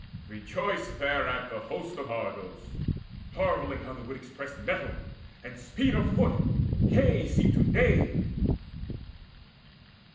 Rejoiced thereat the host Of Argos, marvelling how the wood expressed Mettle, and speed of foot yea, seemed to neigh.